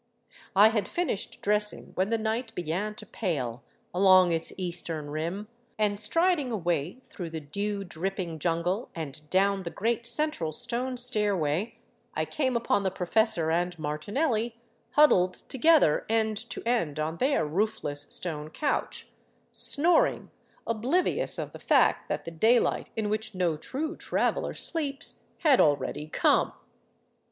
I had finished dressing when the night began to pale along its eastern rim, and striding away through the dew dripping jungle and down the great central stone stairway, I came upon the professor and Martinelli huddled together end to end on their roofless stone couch, snoring oblivious of the fact that the daylight in which no true traveler sleeps had already come.